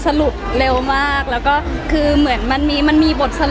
ถามพี่ไม่ถึงเรื่องแบบนี้เวล